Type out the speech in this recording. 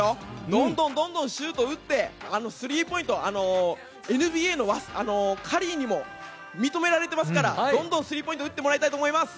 どんどんシュートを打ってスリーポイントはＮＢＡのカリーにも認められていますから、どんどん打ってもらいたいと思います。